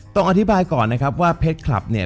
ต้องอธิบายก่อนนะครับว่าเพชรคลับเนี่ย